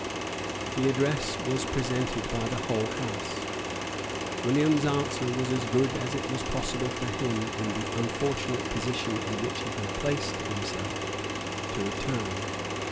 The address was presented by the whole House. William's answer was as good as it was possible for him, in the unfortunate position in which he had placed himself, to return.